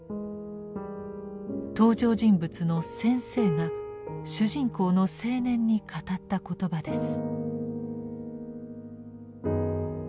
登場人物の「先生」が主人公の青年に語った言葉です。